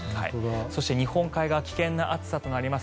そして、日本海側危険な暑さとなります。